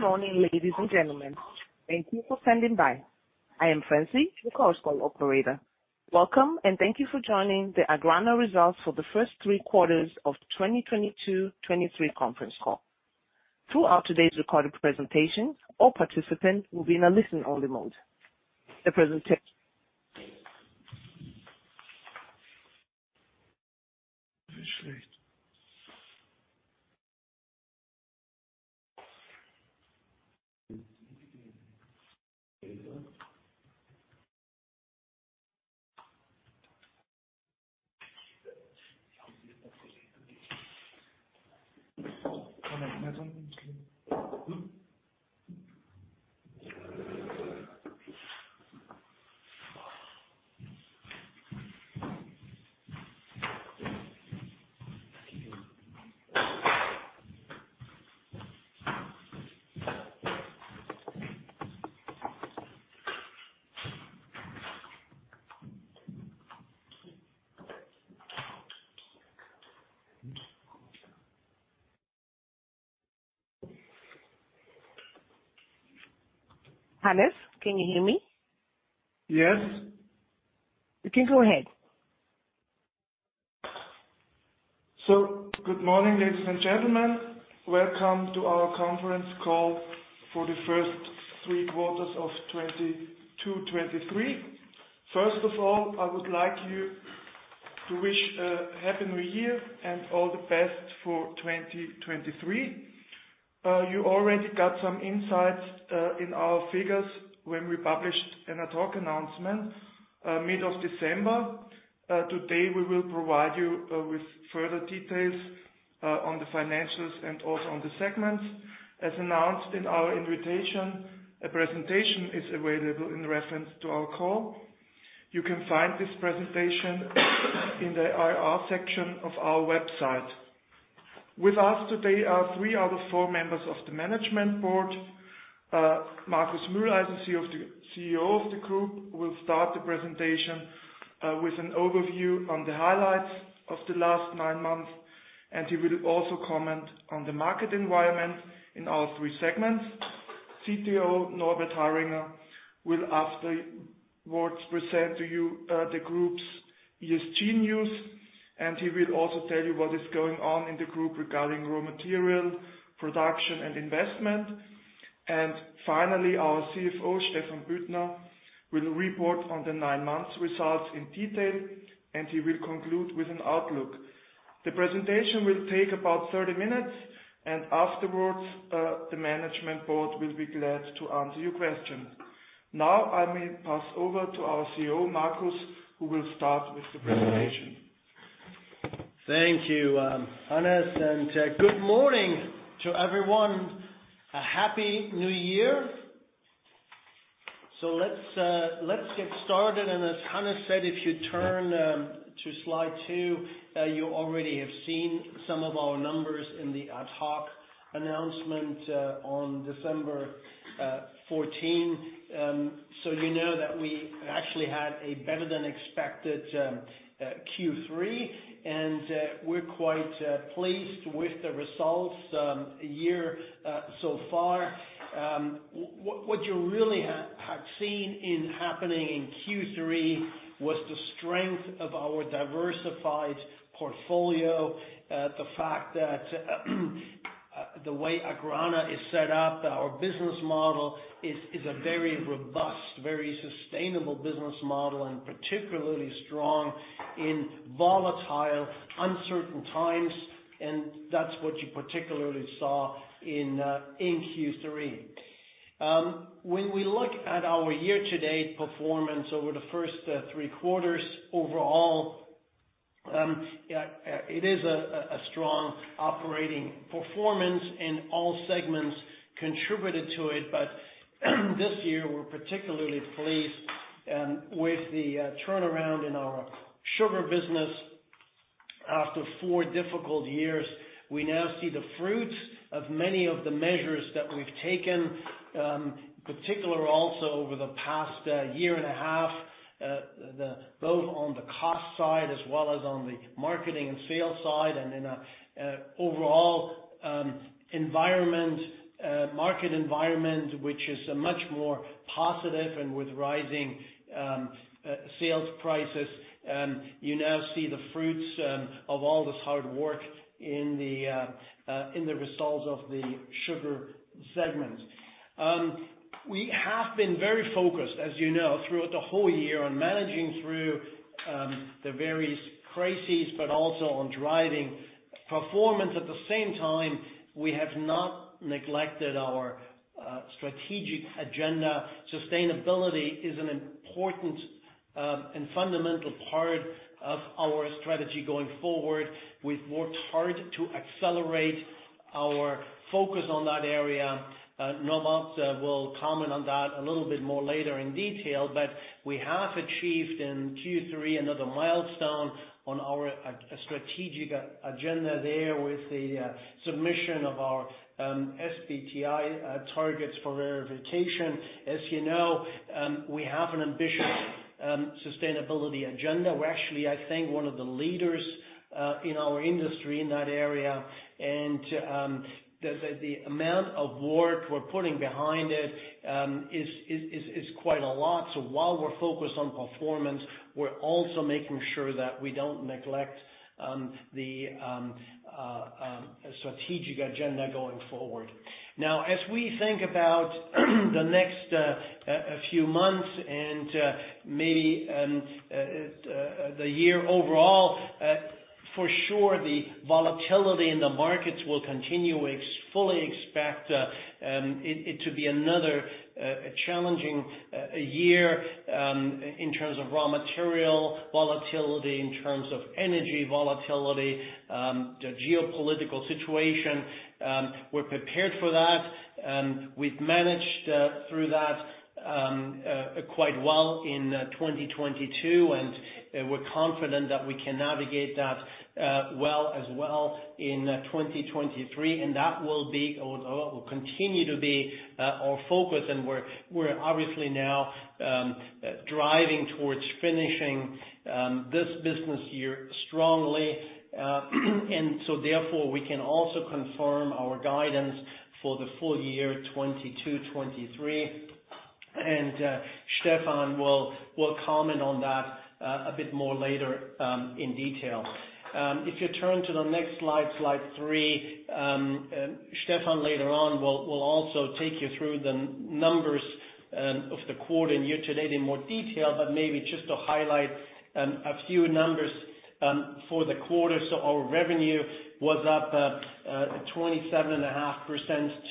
Good morning, ladies and gentlemen. Thank you for standing by. I am Francie, your call's call operator. Welcome. Thank you for joining the AGRANA results for the first three quarters of 2022, 2023 conference call. Throughout today's recorded presentation, all participants will be in a listen-only mode. Hannes, can you hear me? Yes. You can go ahead. Good morning, ladies and gentlemen. Welcome to our conference call for the first 3 quarters of 2022, 2023. First of all, I would like you to wish a Happy New Year and all the best for 2023. You already got some insights in our figures when we published an ad hoc announcement mid of December. Today, we will provide you with further details on the financials and also on the segments. As announced in our invitation, a presentation is available in reference to our call. You can find this presentation in the IR section of our website. With us today are 3 out of 4 members of the management board. Markus Mühleisen, as the CEO of the group, will start the presentation with an overview on the highlights of the last 9 months, and he will also comment on the market environment in all three segments. CTO Norbert Harringer will afterwards present to you the group's ESG news, and he will also tell you what is going on in the group regarding raw material, production and investment. Finally, our CFO, Stephan Büttner, will report on the 9 months results in detail, and he will conclude with an outlook. The presentation will take about 30 minutes, and afterwards, the management board will be glad to answer your questions. Now, I may pass over to our CEO, Markus, who will start with the presentation. Thank you, Hannes, and good morning to everyone. A Happy New Year. Let's get started. As Hannes said, if you turn to slide two, you already have seen some of our numbers in the ad hoc announcement on December 14. You know that we actually had a better than expected Q3, and we're quite pleased with the results year so far. What you really had seen in happening in Q3 was the strength of our diversified portfolio. The fact that the way AGRANA is set up, our business model is a very robust, very sustainable business model and particularly strong in volatile, uncertain times. That's what you particularly saw in Q3. When we look at our year-to-date performance over the first three quarters overall, it is a strong operating performance and all segments contributed to it. This year we're particularly pleased with the turnaround in our Sugar business after four difficult years. We now see the fruits of many of the measures that we've taken, in particular also over the past year and a half, both on the cost side as well as on the marketing and sales side and in an overall environment, market environment, which is a much more positive and with rising sales prices. You now see the fruits of all this hard work in the results of the Sugar segment. We have been very focused, as you know, throughout the whole year on managing through the various crises, but also on driving performance. At the same time, we have not neglected our strategic agenda. Sustainability is an important and fundamental part of our strategy going forward. We've worked hard to accelerate our focus on that area. Norbert will comment on that a little bit more later in detail, but we have achieved in Q3 another milestone on our strategic agenda there with the submission of our SBTi targets for verification. As you know, we have an ambitious sustainability agenda. We're actually, I think, one of the leaders in our industry in that area and the amount of work we're putting behind it is quite a lot. While we're focused on performance, we're also making sure that we don't neglect the strategic agenda going forward. As we think about the next few months and maybe the year overall, for sure, the volatility in the markets will continue. We fully expect it to be another challenging year in terms of raw material volatility, in terms of energy volatility, the geopolitical situation. We're prepared for that. We've managed through that quite well in 2022, and we're confident that we can navigate that well as well in 2023 and that will be or will continue to be our focus. We're obviously now driving towards finishing this business year strongly. Therefore, we can also confirm our guidance for the full year 2022, 2023. Stephan will comment on that a bit more later in detail. If you turn to the next slide 3, Stephan, later on, will also take you through the numbers of the quarter and year to date in more detail. Maybe just to highlight a few numbers for the quarter. Our revenue was up 27.5%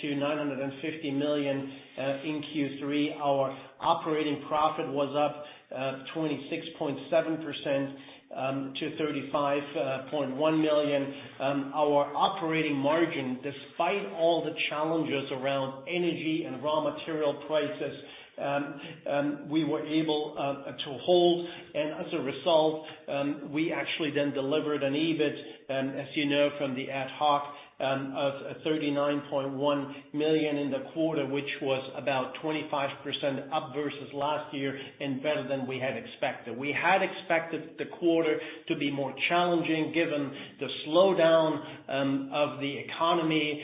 to EUR 950 million in Q3. Our operating profit was up 26.7% to 35.1 million. Our operating margin, despite all the challenges around energy and raw material prices, we were able to hold. As a result, we actually then delivered an EBIT, as you know, from the ad hoc, of 39.1 million in the quarter, which was about 25% up versus last year and better than we had expected. We had expected the quarter to be more challenging given the slowdown of the economy,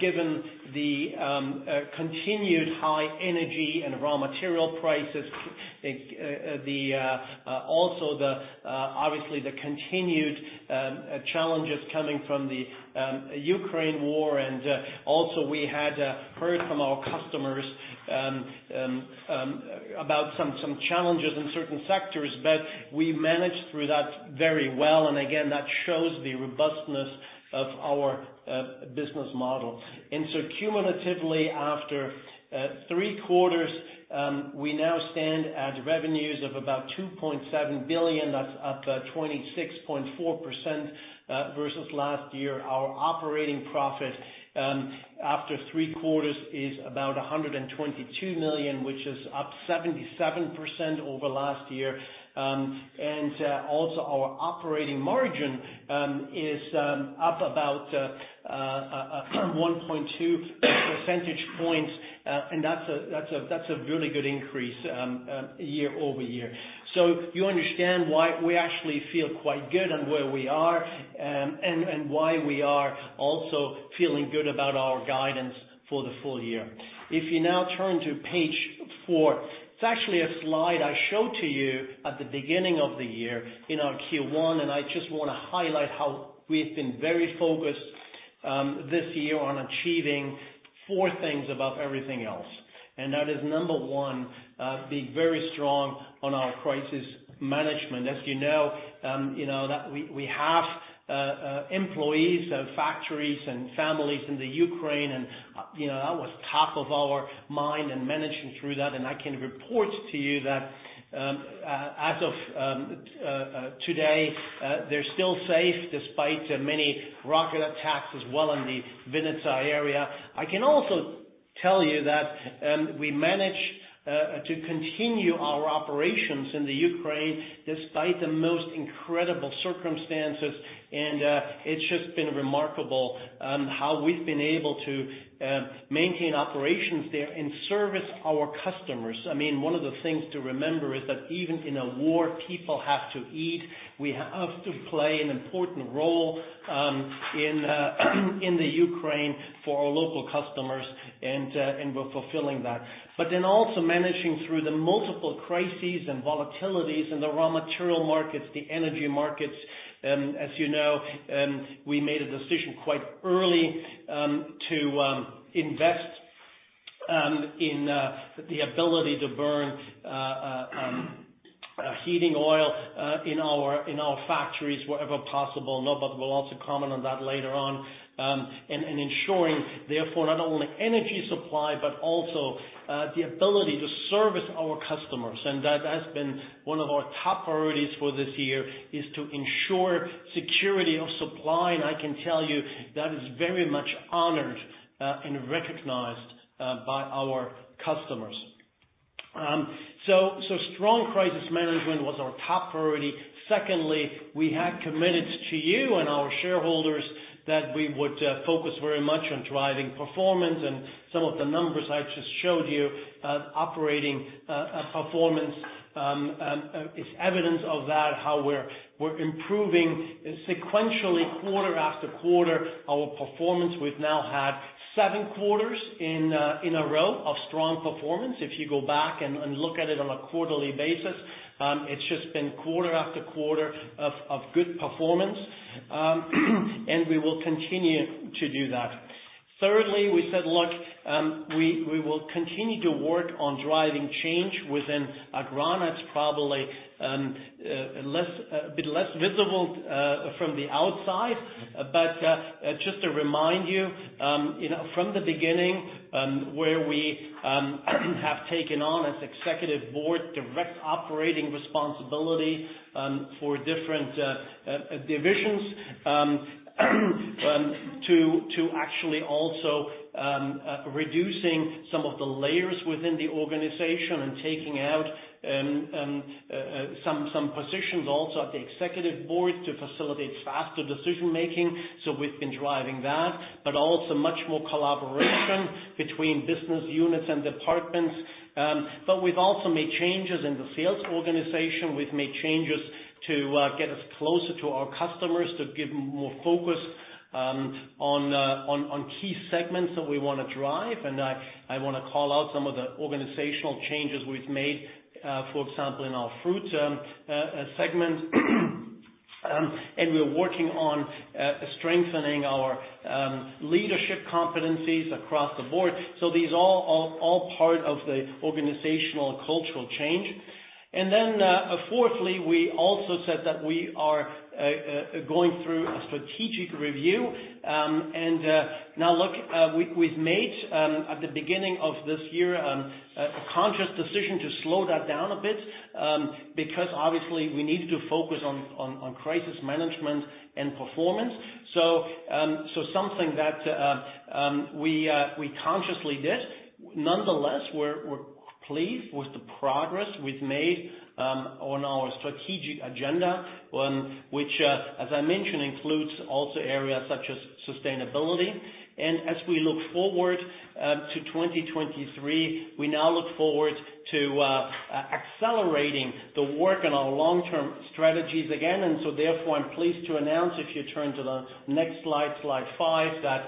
given the continued high energy and raw material prices, also the obviously the continued challenges coming from the Ukraine war. Also we had heard from our customers about some challenges in certain sectors, but we managed through that very well. Again, that shows the robustness of our business model. Cumulatively, after three quarters, we now stand at revenues of about 2.7 billion. That's up 26.4% versus last year. Our operating profit after three quarters is about 122 million, which is up 77% over last year. Also our operating margin is up about 1.2 percentage points. That's a really good increase year-over-year. You understand why we actually feel quite good on where we are and why we are also feeling good about our guidance for the full year. If you now turn to page 4, it's actually a slide I showed to you at the beginning of the year in our Q1, and I just wanna highlight how we've been very focused this year on achieving four things above everything else. That is, number 1, being very strong on our crisis management. As you know, you know that we have employees, factories and families in the Ukraine and that was top of our mind and managing through that. I can report to you that, as of today, they're still safe despite the many rocket attacks as well in the Vinnytsia area. I can also tell you that we managed to continue our operations in the Ukraine despite the most incredible circumstances. It's just been remarkable how we've been able to maintain operations there and service our customers. I mean, 1 of the things to remember is that even in a war, people have to eat. We have to play an important role in the Ukraine for our local customers and we're fulfilling that. Also managing through the multiple crises and volatilities in the raw material markets, the energy markets, as you know, we made a decision quite early to invest in the ability to burn heating oil in our factories wherever possible. We'll also comment on that later on. Ensuring therefore not only energy supply but also the ability to service our customers. That has been one of our top priorities for this year is to ensure security of supply. And I can tell you that is very much honored and recognized by our customers. Strong crisis management was our top priority. Secondly, we had committed to you and our shareholders that we would focus very much on driving performance, and some of the numbers I just showed you, operating performance is evidence of that, how we're improving sequentially quarter after quarter our performance. We've now had seven quarters in a row of strong performance. If you go back and look at it on a quarterly basis, it's just been quarter after quarter of good performance. We will continue to do that. Thirdly, we said, look, we will continue to work on driving change within AGRANA. It's probably a bit less visible from the outside. Just to remind you know, from the beginning, where we have taken on as executive board, direct operating responsibility for different divisions, to actually also reducing some of the layers within the organization and taking out some positions also at the executive board to facilitate faster decision-making. We've been driving that, but also much more collaboration between business units and departments. We've also made changes in the sales organization. We've made changes to get us closer to our customers, to give more focus on key segments that we want to drive. And I want to call out some of the organizational changes we've made, for example, in our Fruit segment. We're working on strengthening our leadership competencies across the board. These all part of the organizational cultural change. Fourthly, we also said that we are going through a strategic review, now look, we've made at the beginning of this year a conscious decision to slow that down a bit, because obviously we needed to focus on crisis management and performance. Something that we consciously did. Nonetheless, we're pleased with the progress we've made on our strategic agenda, which as I mentioned, includes also areas such as sustainability. As we look forward to 2023, we now look forward to accelerating the work on our long-term strategies again. Therefore, I'm pleased to announce if you turn to the next slide 5, that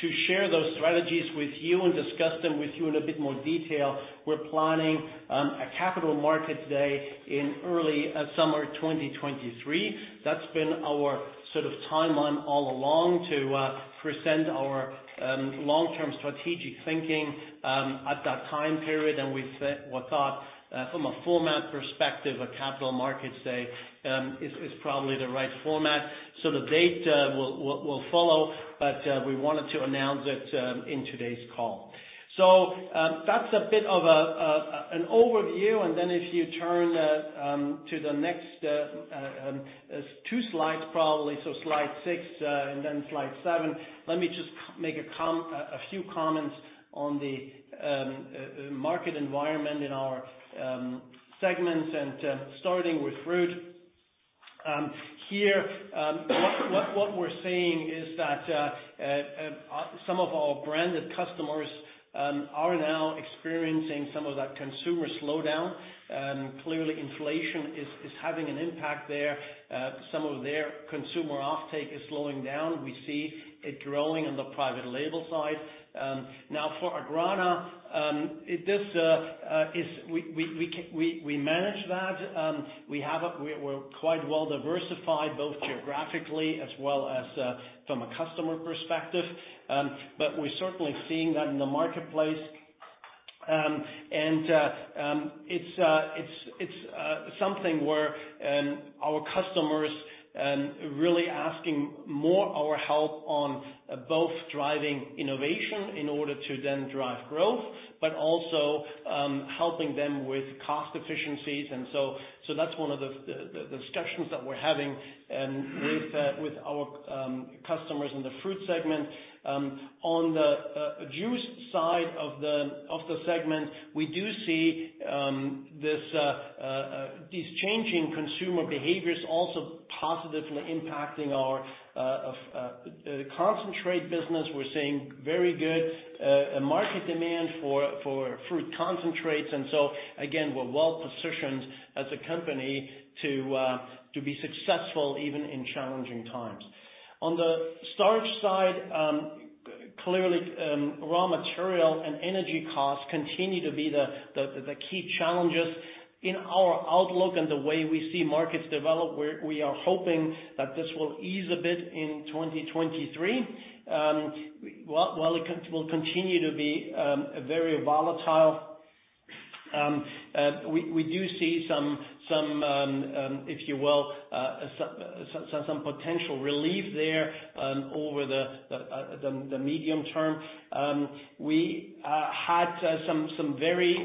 to share those strategies with you and discuss them with you in a bit more detail, we're planning a capital market day in early summer 2023. That's been our sort of timeline all along to present our long-term strategic thinking at that time period. We thought from a format perspective, a capital market day is probably the right format. The date will follow, but we wanted to announce it in today's call. That's an overview. If you turn to the next 2 slides probably, so slide 6 and slide 7, let me just make a few comments on the market environment in our segments and starting with Fruit. Here, what we're seeing is that some of our branded customers are now experiencing some of that consumer slowdown. Clearly inflation is having an impact there. Some of their consumer offtake is slowing down. We see it growing on the private label side. For AGRANA, this is, we manage that. We're quite well diversified, both geographically as well as from a customer perspective. We're certainly seeing that in the marketplace. It's something where our customers really asking more our help on both driving innovation in order to then drive growth, but also helping them with cost efficiencies. That's one of the discussions that we're having with our customers in the Fruit segment. On the juice side of the segment, we do see these changing consumer behaviors also positively impacting our concentrate business. We're seeing very good market demand for fruit concentrates. Again, we're well positioned as a company to be successful even in challenging times. On the Starch side, clearly, raw material and energy costs continue to be the key challenges. In our outlook and the way we see markets develop, we are hoping that this will ease a bit in 2023. While it will continue to be very volatile, we do see some, if you will, some potential relief there over the medium term. We had some very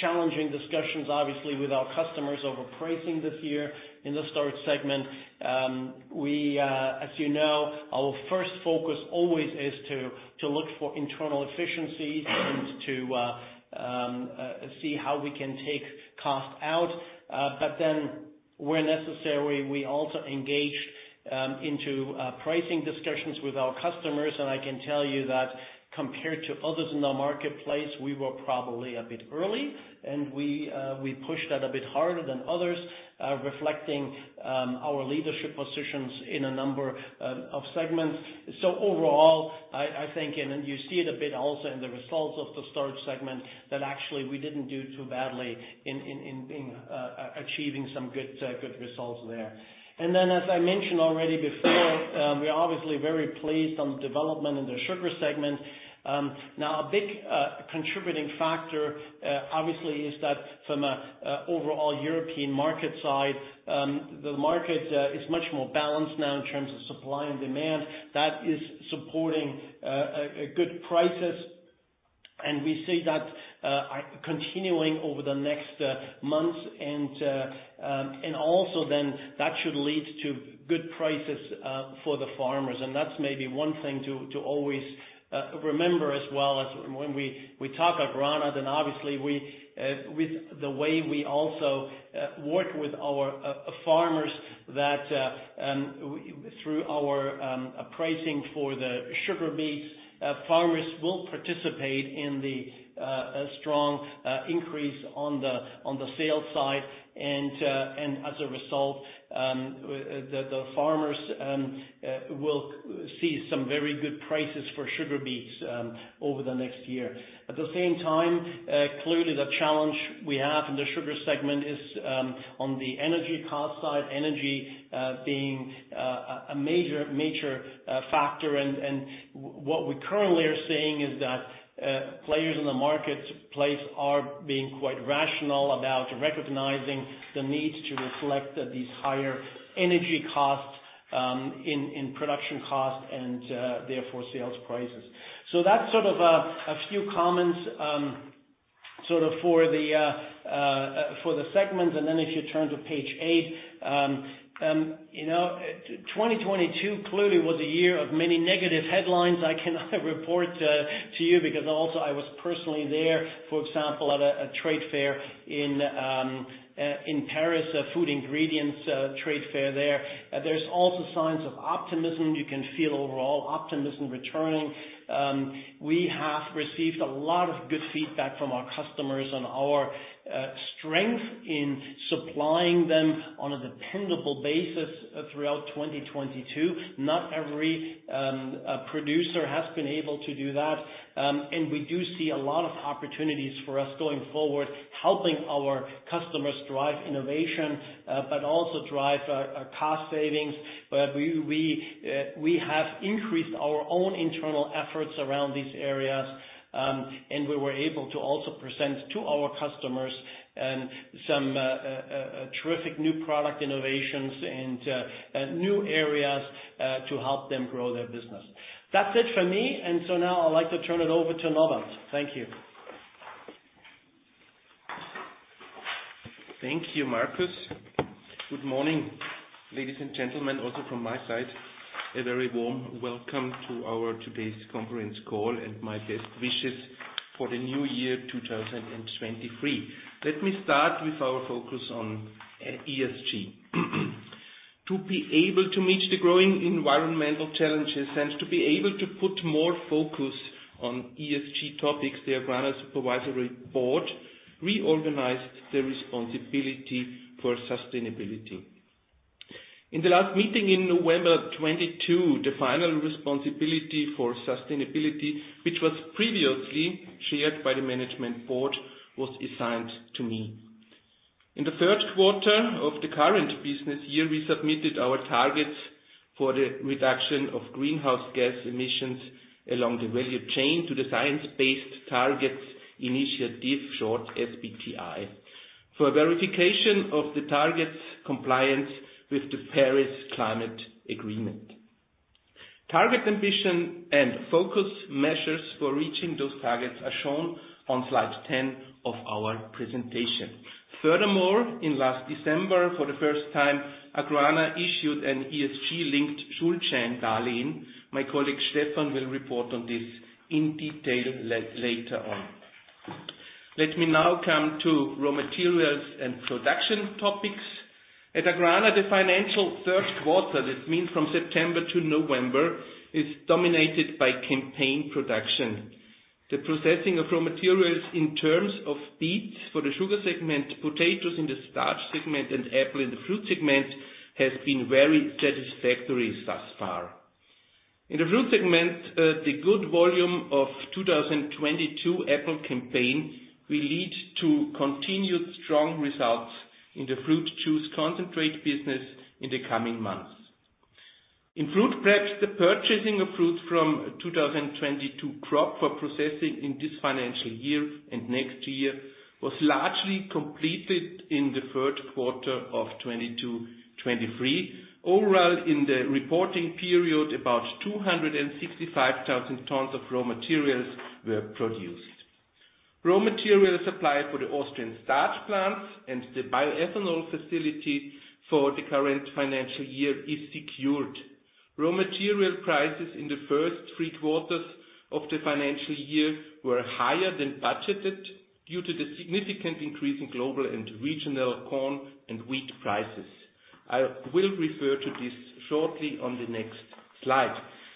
challenging discussions, obviously, with our customers over pricing this year in the Starch segment. We, as you know, our first focus always is to look for internal efficiencies and to see how we can take cost out. Where necessary, we also engage into pricing discussions with our customers. I can tell you that compared to others in the marketplace, we were probably a bit early and we pushed that a bit harder than others, reflecting our leadership positions in a number of segments. Overall, I think, and you see it a bit also in the results of the Starch segment, that actually we didn't do too badly in achieving some good results there. As I mentioned already before, we're obviously very pleased on the development in the Sugar segment. Now a big contributing factor obviously is that from a overall European market side, the market is much more balanced now in terms of supply and demand that is supporting good prices. We see that continuing over the next months. That should lead to good prices for the farmers. That's maybe one thing to always remember as well as when we talk AGRANA, then obviously we with the way we also work with our farmers that through our pricing for the sugar beets, farmers will participate in the strong increase on the sales side. As a result, the farmers will see some very good prices for sugar beets over the next year. At the same time, clearly the challenge we have in the Sugar segment is on the energy cost side, energy being a major factor. What we currently are seeing is that players in the marketplace are being quite rational about recognizing the need to reflect these higher energy costs in production costs and therefore sales prices. That's sort of a few comments sort of for the segments. If you turn to page 8 2022 clearly was a year of many negative headlines. I can report to you because also I was personally there, for example, at a trade fair in Paris, a Food ingredients trade fair there. There's also signs of optimism. You can feel overall optimism returning. We have received a lot of good feedback from our customers on our strength in supplying them on a dependable basis throughout 2022. Not every producer has been able to do that. We do see a lot of opportunities for us going forward, helping our customers drive innovation, but also drive cost savings. But we have increased our own internal efforts around these areas, and we were able to also present to our customers some terrific new product innovations and new areas to help them grow their business. That's it for me. Now I'd like to turn it over to Norbert. Thank you. Thank you, Markus. Good morning, ladies and gentlemen. Also from my side, a very warm welcome to our today's conference call and my best wishes for the new year 2023. Let me start with our focus on ESG. To be able to meet the growing environmental challenges and to be able to put more focus on ESG topics, the AGRANA Supervisory Board reorganized the responsibility for sustainability. In the last meeting in November 2022, the final responsibility for sustainability, which was previously shared by the management board, was assigned to me. In the third quarter of the current business year, we submitted our targets for the reduction of greenhouse gas emissions along the value chain to the Science Based Targets initiative, short SBTi, for verification of the targets compliance with the Paris Agreement. Target ambition and focus measures for reaching those targets are shown on slide 10 of our presentation. In last December, for the first time, AGRANA issued an ESG-linked Schuldscheindarlehen. My colleague Stephan will report on this in detail later on. Let me now come to raw materials and production topics. At AGRANA, the financial third quarter, this means from September to November, is dominated by campaign production. The processing of raw materials in terms of beets for the Sugar segment, potatoes in the Starch segment, and apple in the Fruit segment, has been very satisfactory thus far. In the Fruit segment, the good volume of 2022 apple campaign will lead to continued strong results in the Fruit juice concentrate business in the coming months. In Fruit prep, the purchasing of fruit from 2022 crop for processing in this financial year and next year was largely completed in the third quarter of 2022-2023. Overall, in the reporting period, about 265,000 tons of raw materials were produced. Raw material supply for the Austrian starch plants and the Bioethanol facility for the current financial year is secured. Raw material prices in the first three quarters of the financial year were higher than budgeted due to the significant increase in global and regional corn and wheat prices. I will refer to this shortly on the next slide.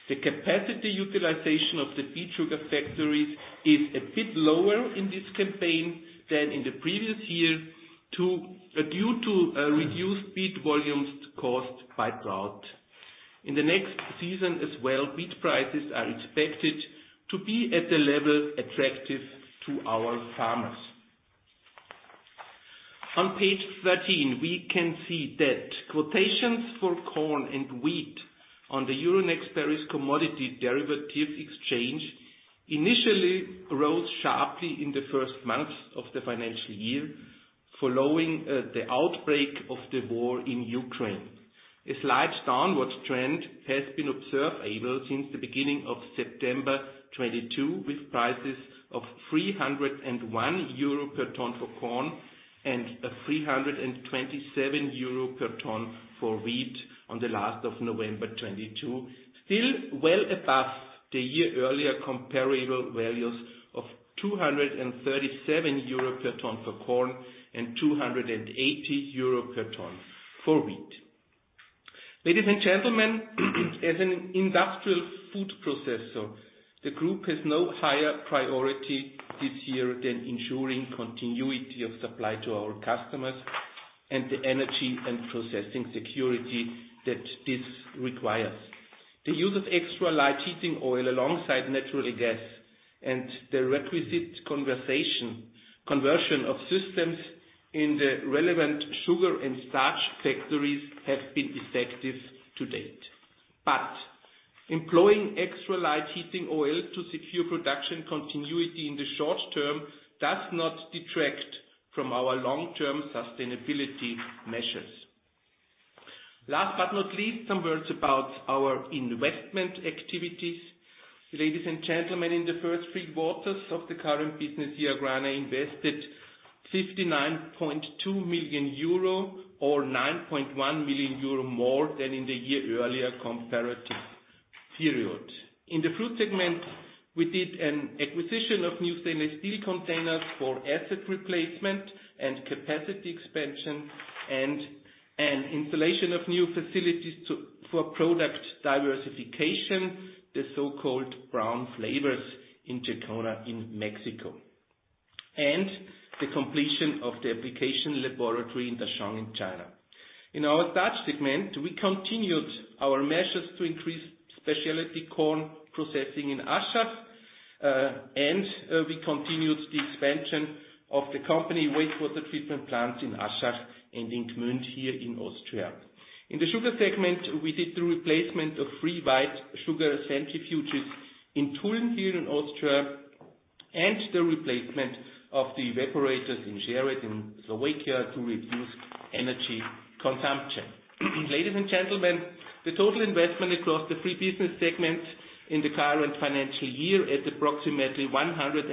The capacity utilization of the beet sugar factories is a bit lower in this campaign than in the previous year to, due to reduced beet volumes caused by drought. In the next season as well, beet prices are expected to be at a level attractive to our farmers. On page 13, we can see that quotations for corn and wheat on the Euronext Paris commodity derivative exchange initially rose sharply in the first months of the financial year, following the outbreak of the war in Ukraine. A slight downward trend has been observable since the beginning of September 2022, with prices of 301 euro per ton for corn and 327 euro per ton for wheat on the last of November 2022. Still well above the year earlier comparable values of 237 euro per ton for corn and 280 euro per ton for wheat. Ladies and gentlemen, as an industrial food processor, the group has no higher priority this year than ensuring continuity of supply to our customers and the energy and processing security that this requires. The use of extra light heating oil alongside natural gas and the requisite conversion of systems in the relevant Sugar and Starch factories have been effective to date. Employing extra light heating oil to secure production continuity in the short term does not detract from our long-term sustainability measures. Last but not least, some words about our investment activities. Ladies and gentlemen, in the first three quarters of the current business year, AGRANA invested 59.2 million euro or 9.1 million euro more than in the year-earlier comparative period. In the Fruit segment, we did an acquisition of new stainless steel containers for asset replacement and capacity expansion and an installation of new facilities to, for product diversification, the so-called brown flavors in Jacona in Mexico, and the completion of the application laboratory in Dachang in China. In our Starch segment, we continued our measures to increase specialty corn processing in Aschach, and we continued the expansion of the company wastewater treatment plant in Aschach and in Gmünd here in Austria. In the Sugar segment, we did the replacement of three white sugar centrifuges in Tulln here in Austria, and the replacement of the evaporators in Sereď in Slovakia to reduce energy consumption. Ladies and gentlemen, the total investment across the three business segments in the current financial year at approximately 111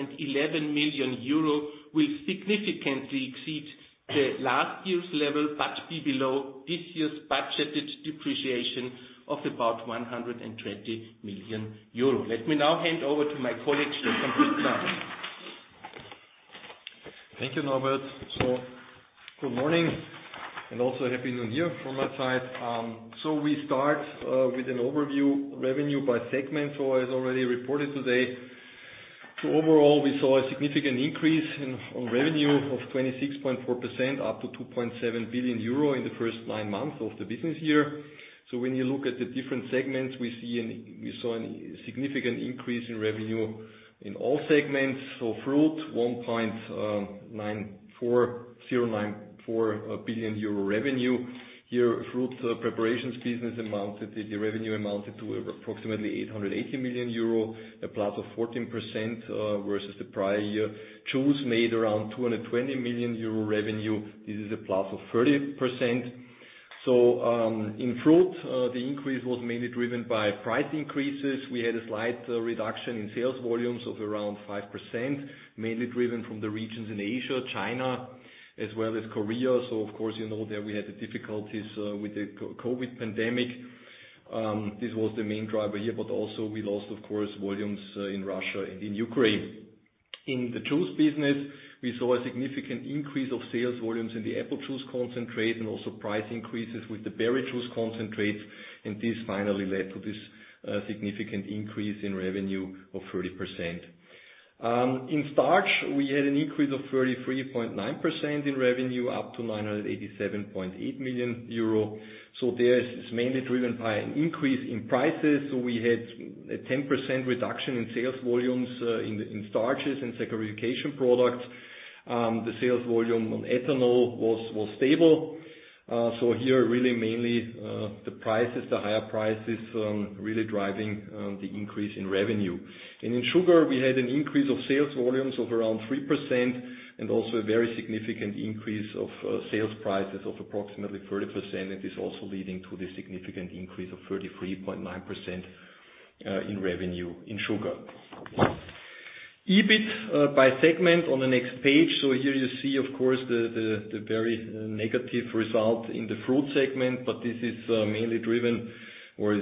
million euro will significantly exceed the last year's level, but be below this year's budgeted depreciation of about 120 million euro. Let me now hand over to my colleague, Stephan Büttner. Thank you, Norbert. Good morning, and also happy New Year from my side. We start with an overview revenue by segment. As already reported today, so overall, we saw a significant increase on revenue of 26.4%, up to 2.7 billion euro in the first nine months of the business year. When you look at the different segments, we saw a significant increase in revenue in all segments. Fruit, 1.094 billion euro revenue. Here, Fruit preparations business the revenue amounted to approximately 880 million euro, a plus of 14% versus the prior year. Juice made around 220 million euro revenue. This is a plus of 30%. In Fruit, the increase was mainly driven by price increases. We had a slight reduction in sales volumes of around 5%, mainly driven from the regions in Asia, China, as well as Korea. Of course, you know that we had the difficulties with the COVID pandemic. This was the main driver here, but also we lost, of course, volumes in Russia and in Ukraine. In the Juice business, we saw a significant increase of sales volumes in the apple juice concentrate and also price increases with the berry juice concentrate, and this finally led to this significant increase in revenue of 30%. In Starch, we had an increase of 33.9% in revenue, up to 987.8 million euro. This is mainly driven by an increase in prices. We had a 10% reduction in sales volumes in Starch and saccharification products. The sales volume on Ethanol was stable. Here, really mainly, the prices, the higher prices, really driving the increase in revenue. In Sugar, we had an increase of sales volumes of around 3% and also a very significant increase of sales prices of approximately 30%. It is also leading to the significant increase of 33.9% in revenue in Sugar. EBIT by segment on the next page. Here you see, of course, the very negative result in the Fruit segment, but this is mainly driven by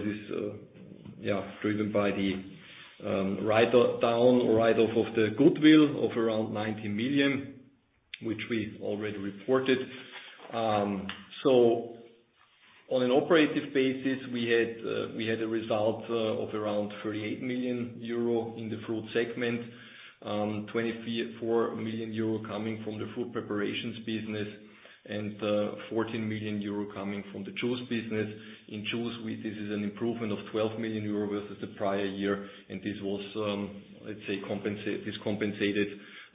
the write-off of the goodwill of around 90 million, which we already reported. On an operating basis, we had a result of around 38 million euro in the Fruit segment. 24 million euro coming from the Fruit preparations business, and 14 million euro coming from the juice business. In juice, this is an improvement of 12 million euro versus the prior year, and this was, let's say, this compensated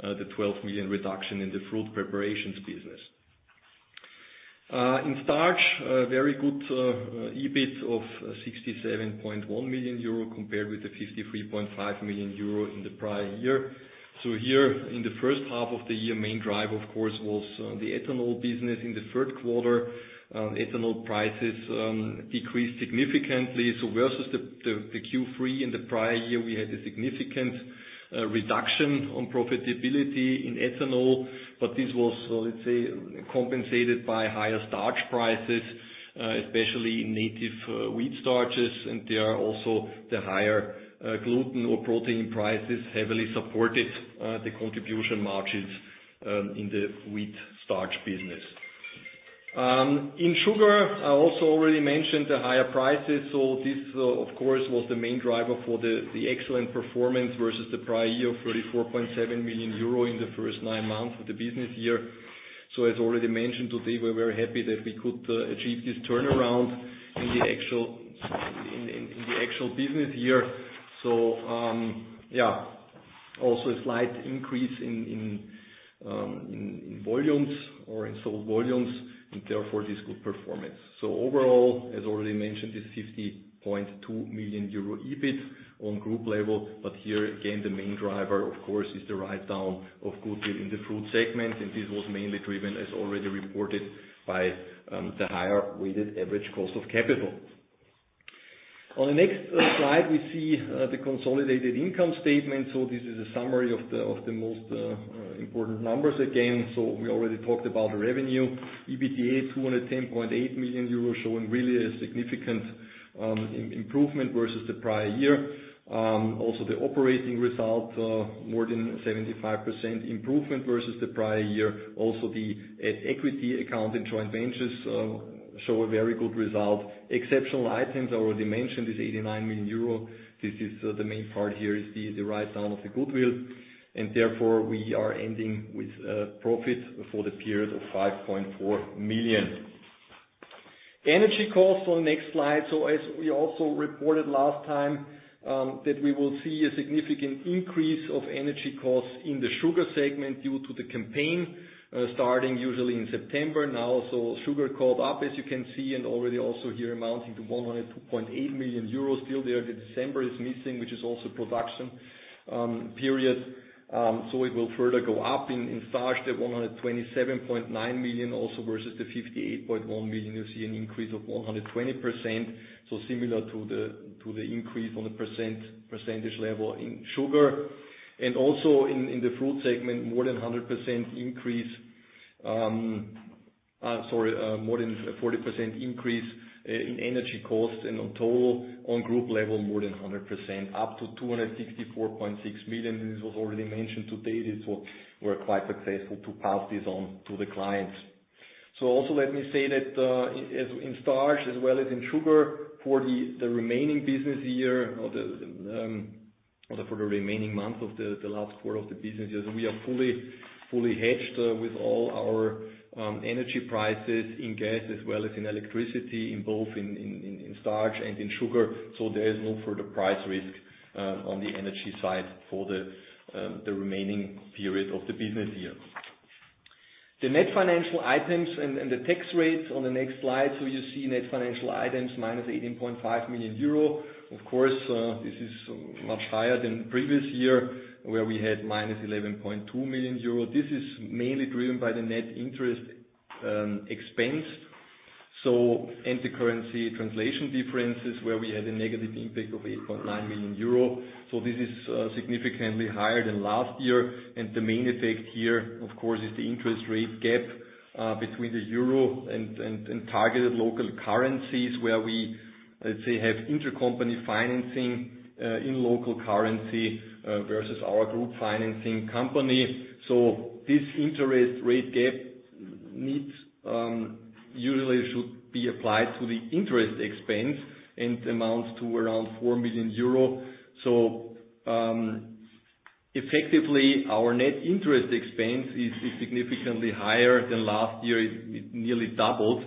the 12 million reduction in the Fruit preparations business. In Starch, a very good EBIT of 67.1 million euro, compared with the 53.5 million euro in the prior year. Here in the first half of the year, main driver, of course, was the Ethanol business. In the third quarter, Ethanol prices decreased significantly. Versus the Q3 in the prior year, we had a significant reduction on profitability in Ethanol, but this was, let's say, compensated by higher Starch prices, especially in Native Wheat Starches. There also the higher Gluten or protein prices heavily supported the contribution margins in the wheat Starch business. In Sugar, I also already mentioned the higher prices, this, of course, was the main driver for the excellent performance versus the prior year, 44.7 million euro in the first nine months of the business year. As already mentioned today, we're very happy that we could achieve this turnaround in the actual business year. Yeah. Also a slight increase in volumes or in sold volumes, and therefore this good performance. Overall, as already mentioned, this 50.2 million euro EBIT on group level, here again, the main driver, of course, is the write-down of goodwill in the Fruit segment. This was mainly driven, as already reported, by the higher weighted average cost of capital. On the next slide, we see the consolidated income statement. This is a summary of the most important numbers again. We already talked about the revenue. EBITDA, 210.8 million euros, showing really a significant improvement versus the prior year. Also the operating result, more than 75% improvement versus the prior year. Also, the at equity account and joint ventures show a very good result. Exceptional items, I already mentioned, is 89 million euro. This is, the main part here is the write-down of the goodwill. Therefore, we are ending with profit before the period of 5.4 million. Energy costs on the next slide. As we also reported last time, that we will see a significant increase of energy costs in the Sugar segment due to the campaign starting usually in September. Now also Sugar caught up, as you can see, and already also here amounting to 102.8 million euros. Still there, the December is missing, which is also production period. It will further go up. In Starch, the 127.9 million, also versus the 58.1 million, you'll see an increase of 120%. Similar to the increase on a percentage level in Sugar. Also in the Fruit segment, more than 100% increase, sorry, more than 40% increase in energy costs and on total on group level, more than 100%, up to 264.6 million. This was already mentioned today. These were quite successful to pass this on to the clients. Also let me say that in Starch as well as in Sugar for the remaining business year or for the remaining months of the last quarter of the business year, we are fully hedged with all our energy prices in gas as well as in electricity in both in Starch and in Sugar. There is no further price risk on the energy side for the remaining period of the business year. The net financial items and the tax rates on the next slide. You see net financial items, minus 18.5 million euro. Of course, this is much higher than previous year, where we had minus 11.2 million euro. This is mainly driven by the net interest expense. And the currency translation differences, where we had a negative impact of 8.9 million euro. This is significantly higher than last year. And the main effect here, of course, is the interest rate gap between the euro and targeted local currencies where we, let's say, have intercompany financing in local currency versus our group financing company. This interest rate gap needs usually should be applied to the interest expense and amounts to around 4 million euro. Effectively, our net interest expense is significantly higher than last year. It nearly doubled,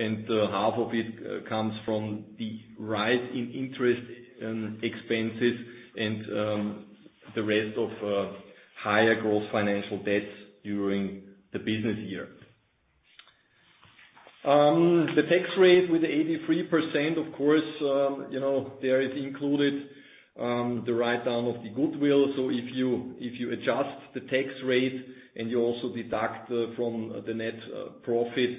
and half of it comes from the rise in interest and expenses and the rest of higher gross financial debts during the business year. The tax rate with 83%, of course there it included the write-down of the goodwill. If you adjust the tax rate and you also deduct from the net profit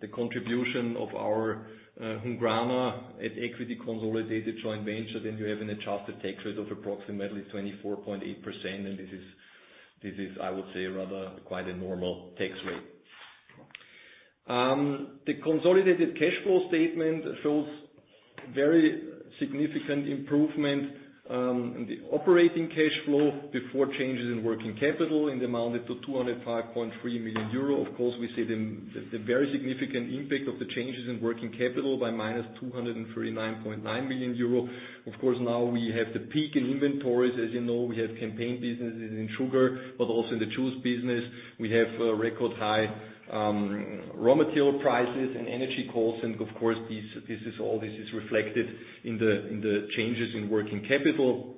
the contribution of our Hungrana Kft. at equity consolidated joint venture, then you have an adjusted tax rate of approximately 24.8%, and this is, I would say, rather quite a normal tax rate. The consolidated cash flow statement shows very significant improvement, in the operating cash flow before changes in working capital, and amounted to 205.3 million euro. We see the very significant impact of the changes in working capital by minus 239.9 million euro. Now we have the peak in inventories. As you know, we have campaign businesses in sugar, but also in the juice business. We have record high, raw material prices and energy costs and, of course, this is all, this is reflected in the changes in working capital.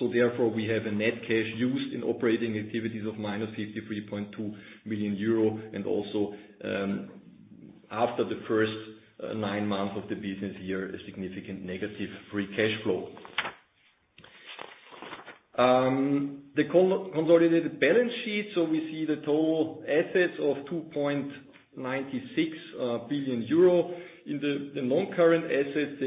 Therefore, we have a net cash used in operating activities of minus 53.2 million euro. Also, after the first, nine months of the business year, a significant negative free cash flow. The consolidated balance sheet. We see the total assets of 2.96 billion euro. In the non-current assets,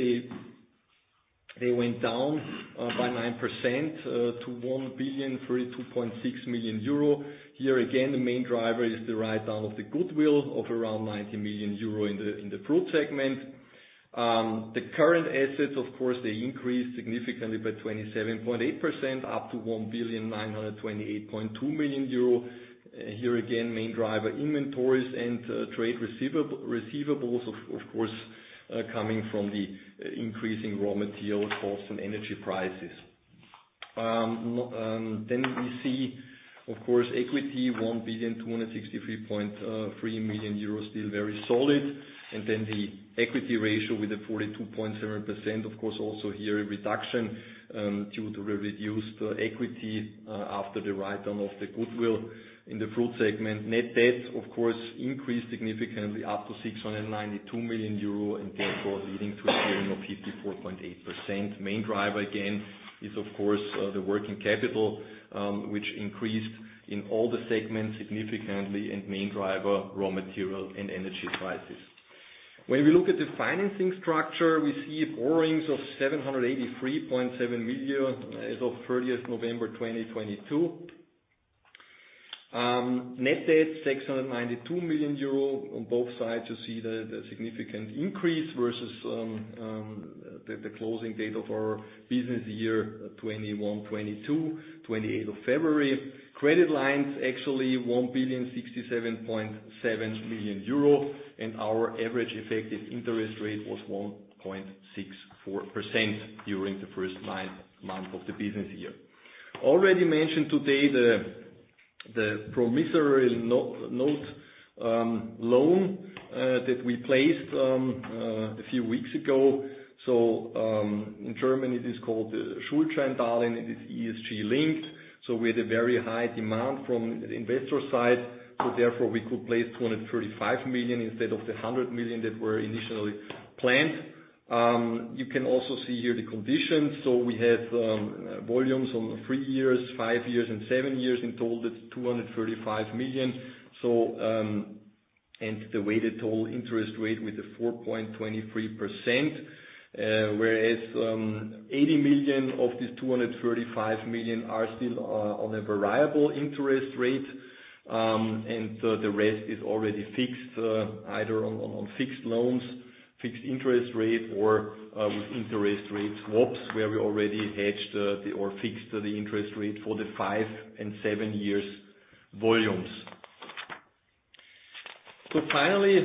they went down by 9% to 1 billion 32.6 million. Here again, the main driver is the write-down of the goodwill of around 90 million euro in the Fruit segment. The current assets, of course, they increased significantly by 27.8% up to 1 billion euro 928.2 million. Here again, main driver inventories and trade receivables, of course, coming from the increasing raw material costs and energy prices. We see, of course, equity, 1 billion 263.3 million, still very solid. The equity ratio with a 42.7%, of course, also here a reduction due to the reduced equity after the write-down of the goodwill in the Fruit segment. Net debt, of course, increased significantly up to 692 million euro, and therefore leading to a period of 54.8%. Main driver again is, of course, the working capital, which increased in all the segments significantly and main driver, raw material and energy prices. When we look at the financing structure, we see borrowings of 783.7 million as of November 30, 2022. Net debt, 692 million euro. On both sides, you see the significant increase versus the closing date of our business year 2021/2022, February 28th, 2022. Credit lines, actually 1,067.7 million euro. Our average effective interest rate was 1.64% during the first nine months of the business year. Already mentioned today, the promissory note loan that we placed a few weeks ago. In Germany, it is Schuldscheindarlehen so we are in very high demand from investors side so therefore we could place 235 million instead of the 100 million we initially planned, you can also see here the conditions so we have volums from the 3 years, 5 years, and 7 years in total that’s 235 million and the total interest rate 4.23 percent with the high interest rate for the 5 and 7 years volumes. So finally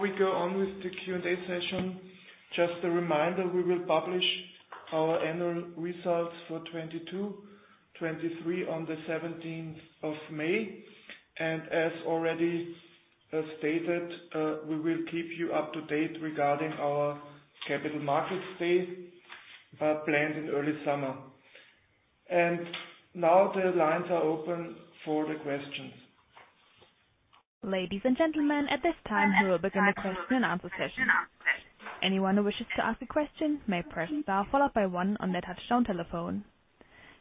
we go on with the Q&A session, just a reminder, we will publish our annual results for 2022, 2023 on the 17th of May. As already stated, we will keep you up to date regarding our capital markets day planned in early summer. Now the lines are open for the questions. Ladies and gentlemen, at this time, we will begin the question and answer session. Anyone who wishes to ask a question may press star followed by one on their touchtone telephone.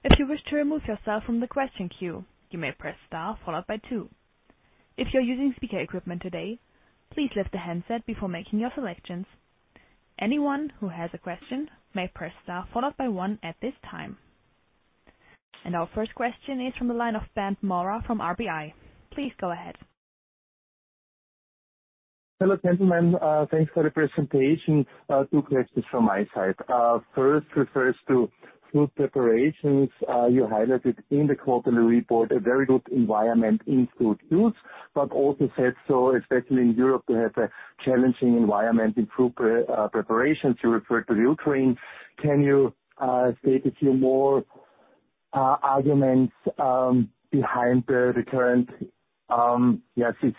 If you wish to remove yourself from the question queue, you may press star followed by two. If you're using speaker equipment today, please lift the handset before making your selections. Anyone who has a question may press star followed by one at this time. Our first question is from the line of Bernd Maurer from RBI. Please go ahead. Hello, gentlemen. Thanks for the presentation. Two questions from my side. First refers to Fruit preparations. You highlighted in the quarterly report a very good environment in Fruit juice, but also said so, especially in Europe, to have a challenging environment in Fruit preparations. You referred to the Ukraine. Can you state a few more arguments behind the current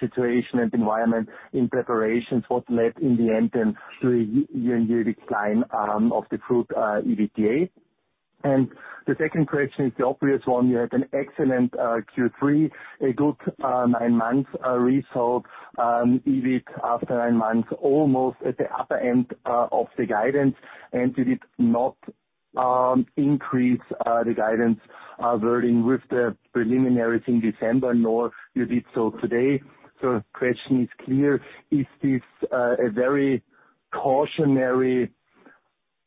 situation and environment in preparations, what led in the end and to year-on-year decline of the Fruit EBITDA? The second question is the obvious one. You had an excellent Q3, a good nine-month result, EBIT after nine months, almost at the upper end of the guidance, and you did not increase the guidance wording with the preliminaries in December, nor you did so today. Question is clear, is this a very cautionary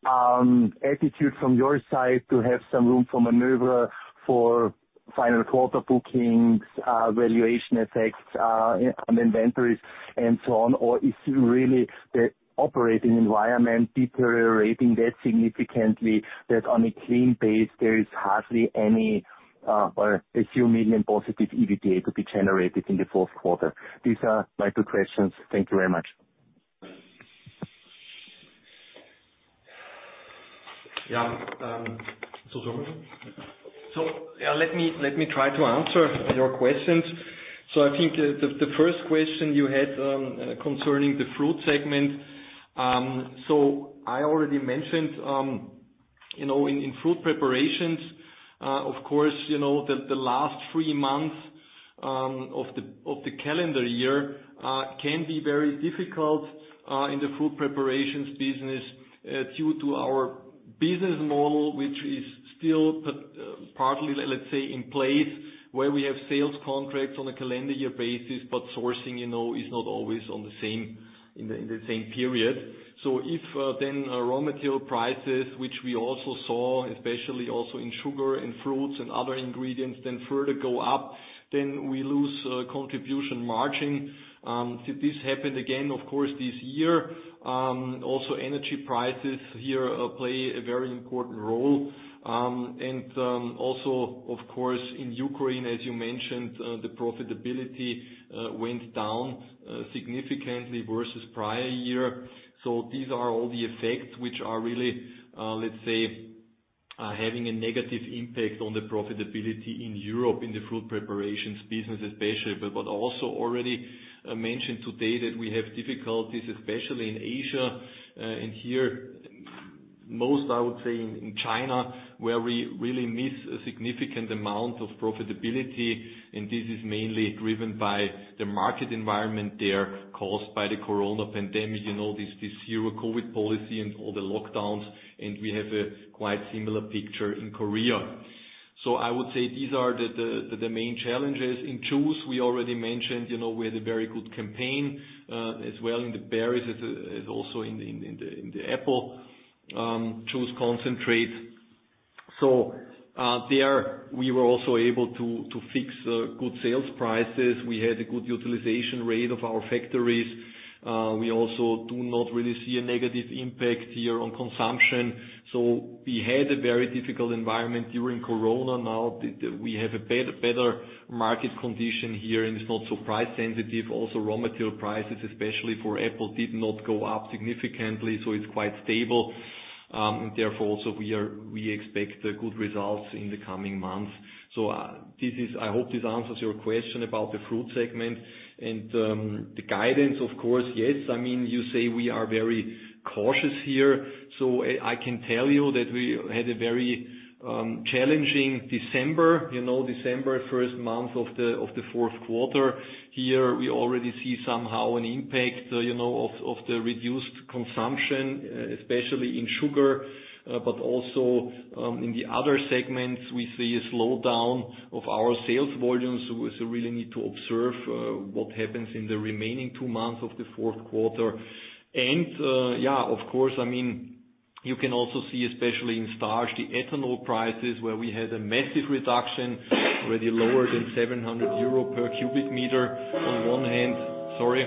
attitude from your side to have some room for maneuver for final quarter bookings, valuation effects on inventories and so on? Or is really the operating environment deteriorating that significantly that on a clean base, there is hardly any or EUR a few million positive EBITDA to be generated in the fourth quarter? These are my two questions. Thank you very much. Yeah. Sorry. Yeah, let me try to answer your questions. I think the first question you had concerning the Fruit segment. I already mentioned in Fruit preparations, of course, you know that the last three months of the calendar year can be very difficult in the Fruit preparations business due to our business model, which is still partly, let's say, in place, where we have sales contracts on a calendar year basis, but sourcing is not always on the same, in the same period. If raw material prices, which we also saw, especially also in sugar and fruits and other ingredients, then further go up, then we lose contribution margin. This happened again, of course, this year. Also energy prices here play a very important role. Also, of course, in Ukraine, as you mentioned, the profitability went down significantly versus prior year. These are all the effects which are really, let's say, having a negative impact on the profitability in Europe in the Fruit preparations business especially. Also already mentioned today that we have difficulties, especially in Asia, and here most, I would say in China, where we really miss a significant amount of profitability, and this is mainly driven by the market environment there caused by the coronavirus pandemic this zero COVID policy and all the lockdowns. We have a quite similar picture in Korea. I would say these are the main challenges. In juice, we already mentioned we had a very good campaign, as well in the Berry juice concentrate as also in the Apple juice concentrate. There we were also able to fix good sales prices. We had a good utilization rate of our factories. We also do not really see a negative impact here on consumption. We had a very difficult environment during Corona. Now we have a better market condition here, and it's not so price sensitive. Also, raw material prices, especially for Apple, did not go up significantly, so it's quite stable. Therefore also we expect good results in the coming months. I hope this answers your question about the Fruit segment and the guidance, of course. Yes. I mean, you say we are very cautious here. I can tell you that we had a very challenging December. You know, December, first month of the fourth quarter. Here we already see somehow an impact of the reduced consumption, especially in Sugar, but also in the other segments we see a slowdown of our sales volumes. We so really need to observe what happens in the remaining two months of the fourth quarter. Of course, I mean, you can also see especially in Starch the Ethanol prices where we had a massive reduction already lower than 700 euro per cubic meter. On one hand. Sorry.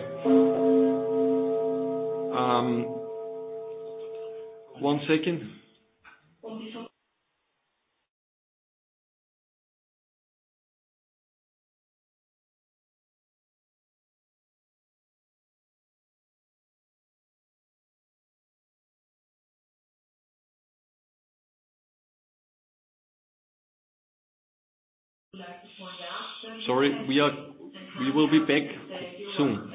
One second. Sorry. We will be back soon.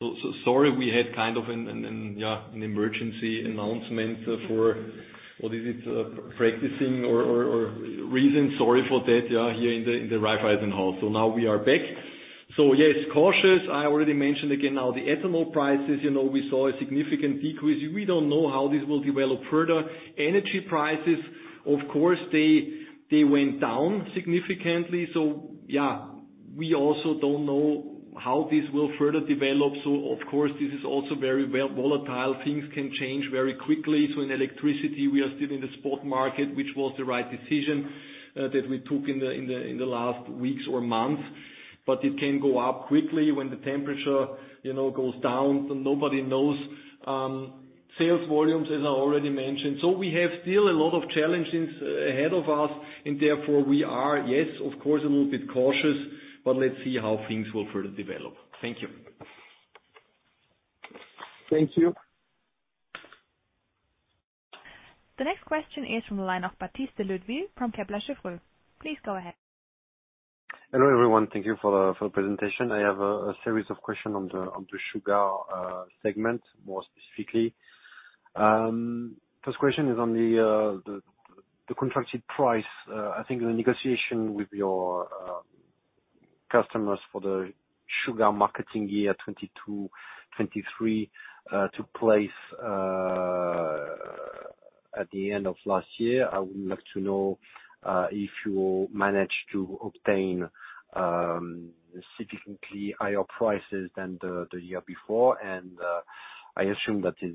So sorry. We had kind of an emergency announcement for, what is it, practicing or reason. Here in the Raiffeisen-Haus. Now we are back. Yes, cautious. I already mentioned again now the Ethanol prices we saw a significant decrease. We don't know how this will develop further. Energy prices, of course, they went down significantly. We also don't know how this will further develop. Of course, this is also very well volatile. Things can change very quickly. In electricity, we are still in the spot market, which was the right decision that we took in the last weeks or months. But it can go up quickly when the temperature goes down. Nobody knows, sales volumes, as I already mentioned. We have still a lot of challenges ahead of us, and therefore we are, yes, of course, a little bit cautious, but let's see how things will further develop. Thank you. Thank you. The next question is from the line of Baptiste Ludwig from Kepler Cheuvreux. Please go ahead. Hello, everyone. Thank you for the presentation. I have a series of questions on the Sugar segment, more specifically. First question is on the contracted price. I think the negotiation with your customers for the Sugar marketing year 2022, 2023 took place at the end of last year. I would like to know if you managed to obtain significantly higher prices than the year before, and I assume that is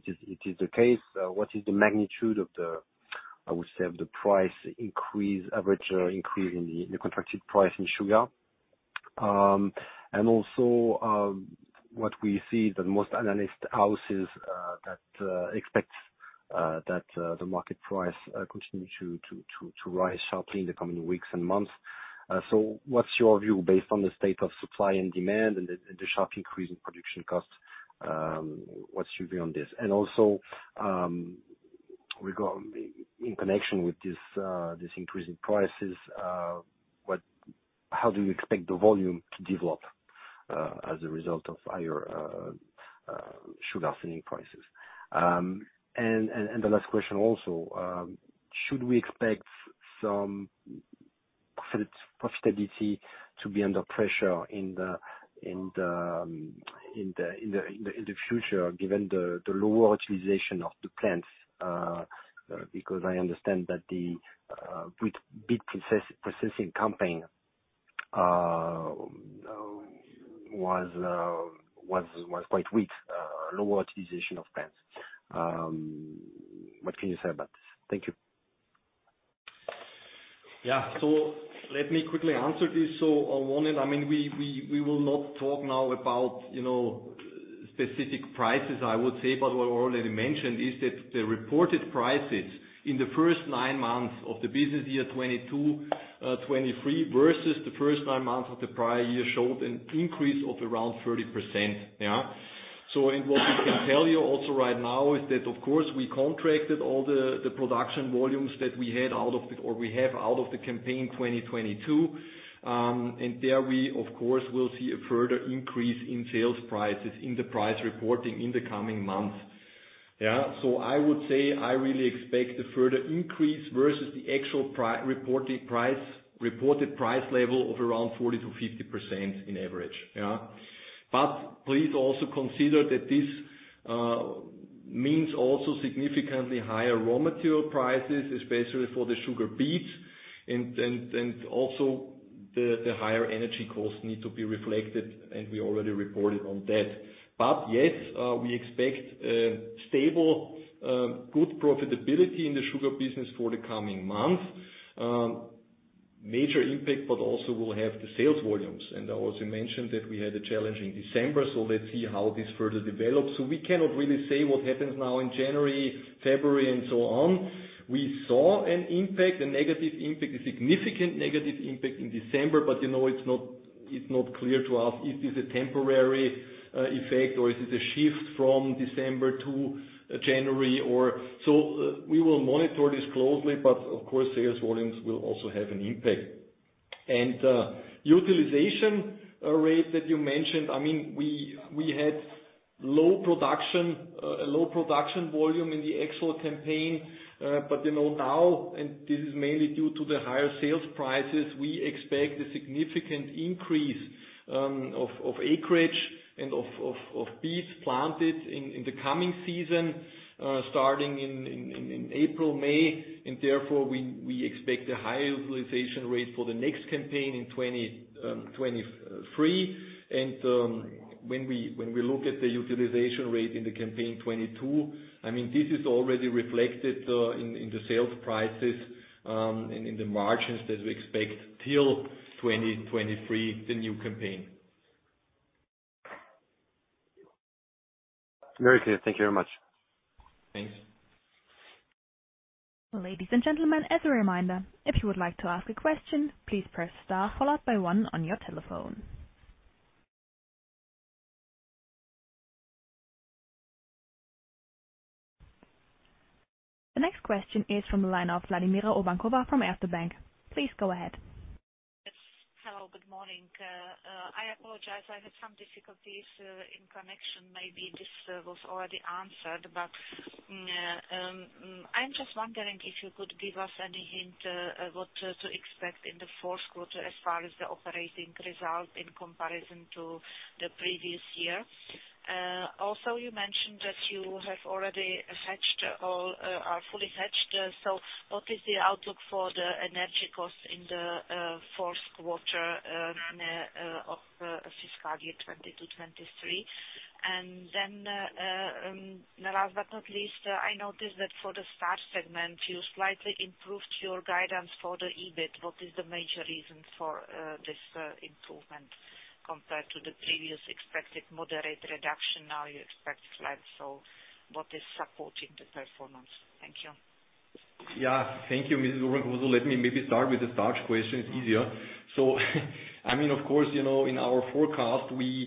it is the case. What is the magnitude of the, I would say, of the price increase, average increase in the contracted price in Sugar? What we see that most analyst houses that expect that the market price continue to rise sharply in the coming weeks and months. What's your view based on the state of supply and demand and the, and the sharp increase in production costs, what's your view on this? In connection with this increase in prices, how do you expect the volume to develop as a result of higher sugar selling prices? The last question also, should we expect some profitability to be under pressure in the future, given the lower utilization of the plants, because I understand that the beet processing campaign was quite weak, lower utilization of plants? What can you say about this? Thank you. Yeah. Let me quickly answer this. On one end, I mean, we will not talk now about specific prices, I would say, but what I already mentioned is that the reported prices in the first nine months of the business year 2022, 2023 versus the first nine months of the prior year showed an increase of around 30%, yeah. What we can tell you also right now is that, of course, we contracted all the production volumes that we had out of the campaign 2022. There we, of course, will see a further increase in sales prices in the price reporting in the coming months, yeah. I would say I really expect a further increase versus the actual reported price, reported price level of around 40%-50% in average. Please also consider that this means also significantly higher raw material prices, especially for the sugar beets and also the higher energy costs need to be reflected, and we already reported on that. Yes, we expect stable good profitability in the Sugar business for the coming months. Major impact, but also will have the sales volumes. I also mentioned that we had a challenge in December, so let's see how this further develops. We cannot really say what happens now in January, February, and so on. We saw an impact, a negative impact, a significant negative impact in December, but you know, it's not clear to us if it's a temporary effect or is it a shift from December to January. We will monitor this closely, but of course, sales volumes will also have an impact. Utilization rate that you mentioned, I mean, we had low production volume in the actual campaign. You know now, and this is mainly due to the higher sales prices, we expect a significant increase of acreage and of beets planted in the coming season, starting in April, May. Therefore, we expect a higher utilization rate for the next campaign in 2023. When we look at the utilization rate in the campaign 22, I mean, this is already reflected in the sales prices, in the margins that we expect till 2023, the new campaign. Very clear. Thank you very much. Thanks. Ladies and gentlemen, as a reminder, if you would like to ask a question, please press star followed by one on your telephone. The next question is from the line of Vladimira Urbankova from Erste Bank. Please go ahead. Yes. Hello, good morning. I apologize. I had some difficulties in connection. Maybe this was already answered, yeah, I'm just wondering if you could give us any hint what to expect in the fourth quarter as far as the operating result in comparison to the previous year. Also, you mentioned that you are fully hedged. What is the outlook for the energy costs in the fourth quarter of fiscal year 2022-2023? Last but not least, I noticed that for the Starch segment, you slightly improved your guidance for the EBIT. What is the major reason for this improvement compared to the previous expected moderate reduction? Now you expect flat. What is supporting the performance? Thank you. Thank you, Mrs. Urbankova. Let me maybe start with the Starch question, it's easier. I mean, of course in our forecast, we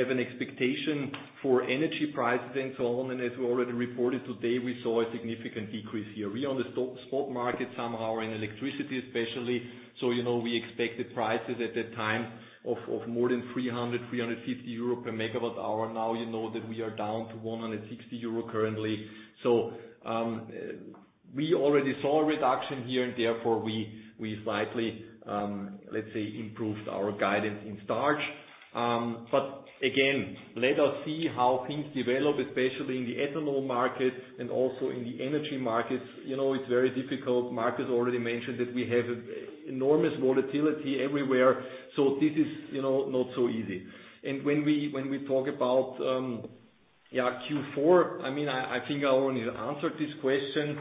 have an expectation for energy prices and so on. As we already reported today, we saw a significant decrease here. We are on the spot market somehow in electricity especially. You know, we expected prices at that time of more than 300-350 euro per megawatt hour. You know that we are down to 160 euro currently. We already saw a reduction here, and therefore, we slightly, let's say, improved our guidance in Starch. Again, let us see how things develop, especially in the Ethanol market and also in the energy markets. You know, it's very difficult. Markus already mentioned that we have enormous volatility everywhere. This is not so easy. When we talk about Q4, I mean, I think I already answered this question.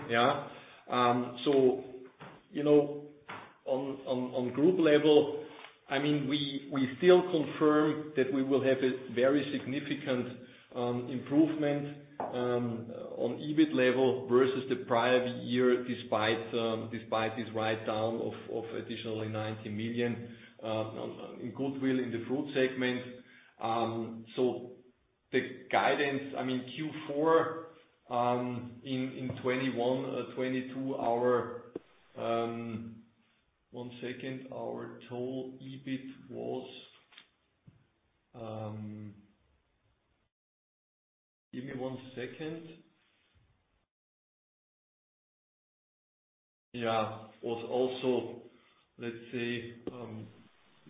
You know, on group level, I mean, we still confirm that we will have a very significant improvement on EBIT level versus the prior year, despite this write down of additionally 90 million in goodwill in the Fruit segment. The guidance, I mean, Q4 in 2021, 2022, our total EBIT was also, let's say,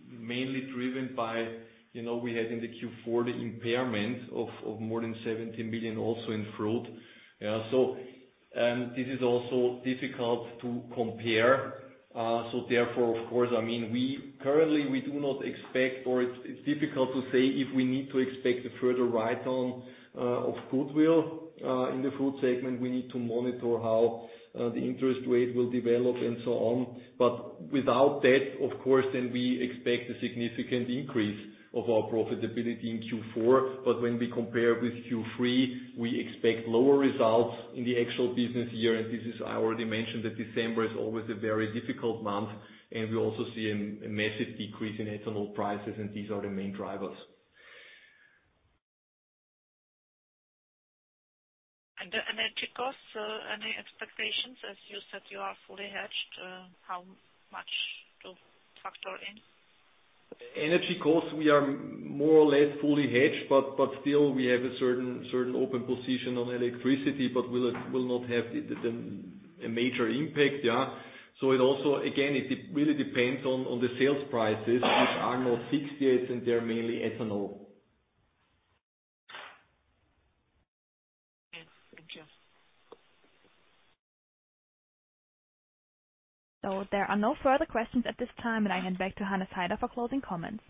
mainly driven by we had in the Q4 the impairment of more than 17 billion also in Fruit. This is also difficult to compare. Of course, I mean, currently we do not expect or it's difficult to say if we need to expect a further write down of goodwill in the Fruit segment. We need to monitor how the interest rate will develop and so on. Without that, of course, we expect a significant increase of our profitability in Q4. When we compare with Q3, we expect lower results in the actual business year. I already mentioned that December is always a very difficult month, and we also see a massive decrease in Ethanol prices, and these are the main drivers. The energy costs, any expectations? As you said, you are fully hedged. How much to factor in? Energy costs, we are more or less fully hedged, but still we have a certain open position on electricity, but will not have the a major impact, yeah. Again, it really depends on the sales prices which are not fixed, yes, and they're mainly ethanol. Yes. Thank you. There are no further questions at this time. I hand back to Hannes Haider for closing comments.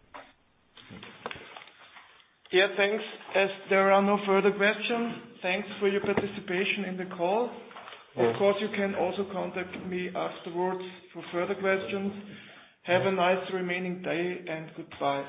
Yeah, thanks. As there are no further questions, thanks for your participation in the call. Of course, you can also contact me afterwards for further questions. Have a nice remaining day and goodbye.